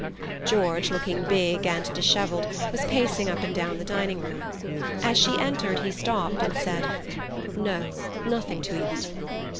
George, looking big and dishevelled, was pacing up and down the dining room. As she entered he stopped, and said: "No—nothing to eat."